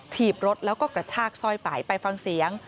ถีบรถแล้วก็กระชากซอยปลายไปฟังเสียง